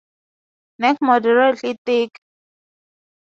Neck moderately thick.